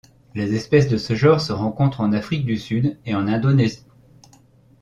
Les espèces de ce genre se rencontrent en Afrique du Sud et en Indonésie.